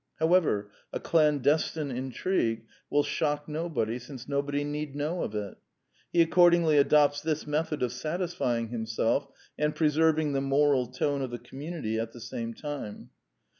However, a clandestine intrigue will shock nobody, since nobody need know of it. He ac cordingly adopts this method of satisfying him self and preserving the moral tone of the com munity at the same time.